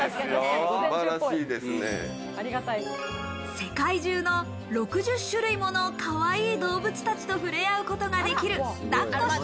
世界中の６０種類ものかわいい動物たちと触れ合うことができる、だっこして！